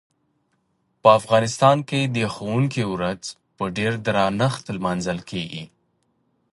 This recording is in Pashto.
په افغانستان کې د ښوونکي ورځ په ډیر درنښت لمانځل کیږي.